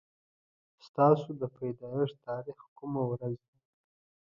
ستاسو د پيدايښت تاريخ کومه ورځ ده